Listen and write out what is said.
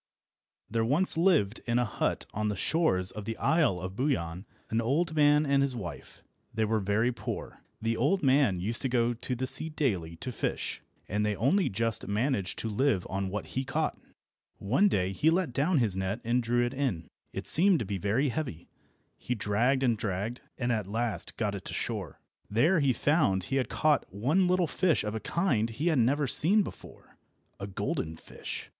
THERE once lived in a hut on the shores of the Isle of Buyan an old man and his wife. They were very poor. The old man used to go to the sea daily to fish, and they only just managed to live on what he caught. One day he let down his net and drew it in. It seemed to be very heavy. He dragged and dragged, and at last got it to shore. There he found that he had caught one little fish of a kind he had never before seen—a golden fish.